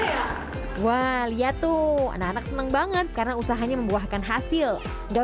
wow lihat tuh anak anak seneng banget karena usahanya membuahkan hasil nggak